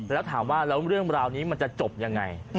แล้วถามว่าเรื่องราวนี้มันจะจบอย่างไร